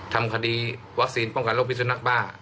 ทำคดีวัคซีนป้องกันโรคพิสุนักบ้า